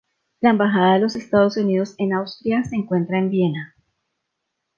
La Embajada de los Estados Unidos en Austria se encuentra en Viena.